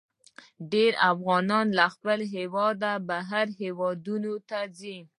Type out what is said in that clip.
ډیرې افغانان له خپل هیواده بهر هیوادونو ته ځي.